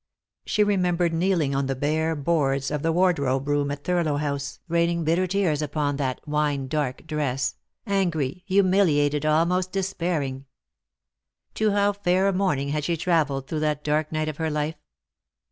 She remembered kneeling on the hare boards of the wardrobe room at Thurlow House, raining bitter tears upon that " wine dark " dress — angry, humiliated, almost despairing. To how fair a morning had she travelled through that dark night of her life